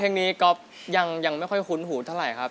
เพลงนี้ก๊อฟยังไม่ค่อยคุ้นหูเท่าไหร่ครับ